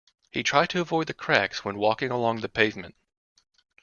He tried to avoid the cracks when walking along the pavement